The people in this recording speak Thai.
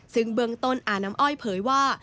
ซึ่งเบื้องต้นอาน้ำอ้อยเผยว่า